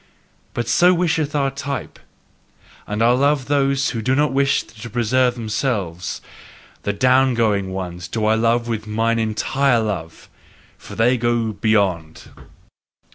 But so wisheth our type; and I love those who do not wish to preserve themselves, the down going ones do I love with mine entire love: for they go beyond.